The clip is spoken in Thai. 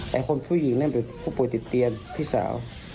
พี่หนึ่งนั่นเป็นผู้ป่วยติดเตียนพี่สาว